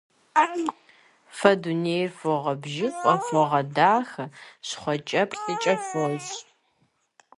Фэ дунейр фогъэбжьыфӀэ, фогъэдахэ, щхъуэкӀэплъыкӀэ фощӀ.